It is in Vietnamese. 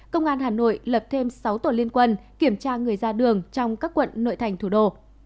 công an hà nội lập thêm sáu tổ liên quân kiểm tra người ra đường trong các quận nội thành thủ đô